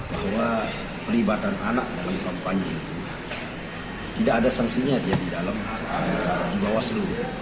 bahwa pelibatan anak dalam kampanye itu tidak ada sanksinya dia di dalam bawaslu